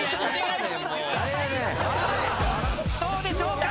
どうでしょうか！？